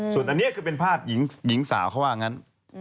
ส่วนอันนี้คือเป็นภาพหญิงสาวเขาว่างั้น